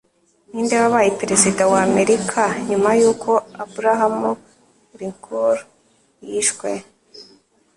Ninde wabaye Perezida wa Amerika nyuma yuko Abraham Lincoln yishwe?